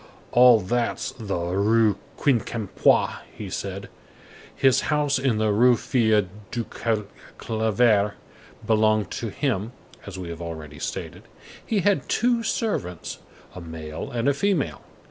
"All that's the Rue Quincampois!" he said. His house in the Rue des Filles du Calvaire belonged to him, as we have already stated. He had two servants, "a male and a female."